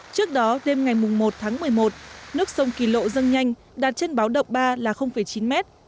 trước đó đêm ngày một tháng một mươi một nước sông kỳ lộ dân nhanh đạt trên báo động ba là chín mét